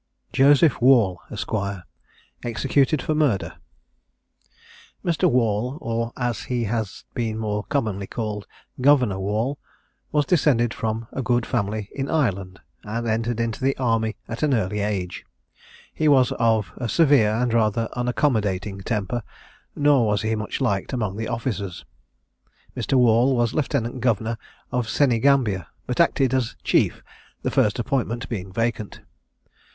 JOSEPH WALL, ESQ. EXECUTED FOR MURDER. Mr. Wall, or as he has been more commonly called, Governor Wall, was descended from a good family in Ireland, and entered into the army at an early age. He was of a severe and rather unaccommodating temper; nor was he much liked among the officers. Mr. Wall was Lieutenant governor of Senegambia, but acted as chief, the first appointment being vacant.